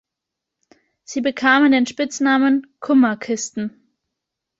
Sie bekamen den Spitznamen "Kummer-Kisten".